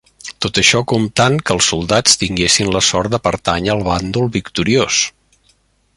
Tot això comptant que els soldats tinguessin la sort de pertànyer al bàndol victoriós.